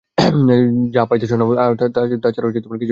যা পাইতেছো নাও, তাছাড়া কিছুই পাবা না।